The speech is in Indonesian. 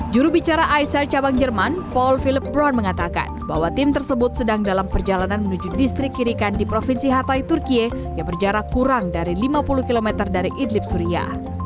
jurubicara isel cabang jerman paul philip bron mengatakan bahwa tim tersebut sedang dalam perjalanan menuju distrik kirikan di provinsi hatay turkiye yang berjarak kurang dari lima puluh km dari idlib suria